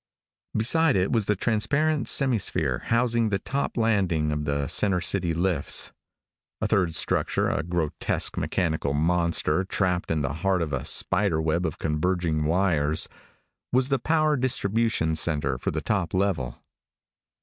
Beside it was the transparent semi sphere housing the top landing of the center city lifts. A third structure a grotesque mechanical monster trapped in the heart of a spider web of converging wires was the power distribution center for the top level.